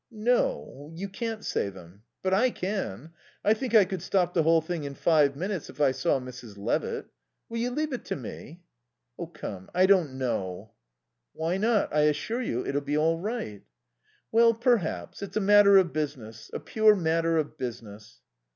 "No. You can't say them. But I can. I think I could stop the whole thing in five minutes, if I saw Mrs. Levitt. Will you leave it to me?" "Come I don't know " "Why not? I assure you it'll be all right." "Well. Perhaps. It's a matter of business. A pure matter of business."